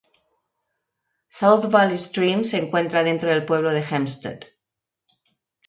South Valley Stream se encuentra dentro del pueblo de Hempstead.